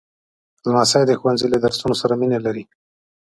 لمسی د ښوونځي له درسونو سره مینه لري.